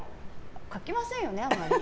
かきませんよね、あまり。